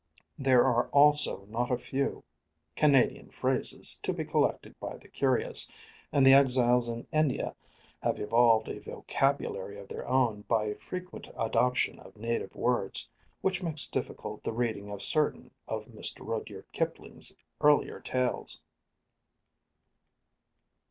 There are also not a few Canadian phrases to be collected by the curious; and the exiles in India have evolved a vocabulary of their own by a frequent adoption of native words, which makes difficult the reading of certain of Mr. Rudyard Kipling's earlier tales.